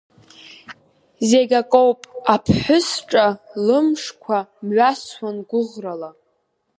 Зегь акоуп, аԥҳәыс ҿа Лымшқәа мҩасуан гәыӷрала…